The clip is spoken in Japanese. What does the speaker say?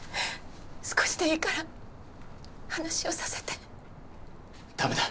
少しでいいから話をさせてダメだ！